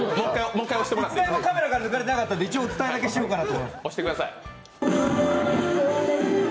１台もカメラが抜かれてなかったんで一応お伝えしておこうかなと。